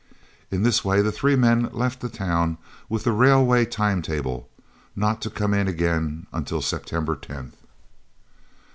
In this way the three men left the town with the railway time table, not to come in again until September 10th.